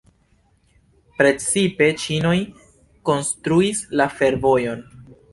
Precipe ĉinoj konstruis la fervojon.